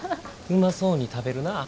うまそうに食べるなぁ。